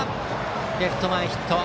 レフト前ヒット。